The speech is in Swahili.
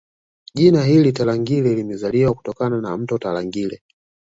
Jina hili Tarangire limezaliwa kutokana na mto Tarangire